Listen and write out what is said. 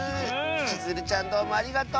ちづるちゃんどうもありがとう！